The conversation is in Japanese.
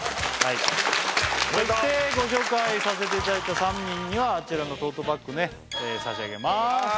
そしてご紹介させていただいた３人にはあちらのトートバッグね差し上げます